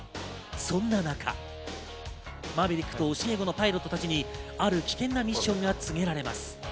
そんな中、マーヴェリックと教え子のパイロットたちにある危険なミッションが告げられます。